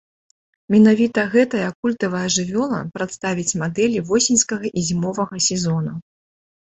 Менавіта гэтая культавая жывёла прадставіць мадэлі восеньскага і зімовага сезонаў.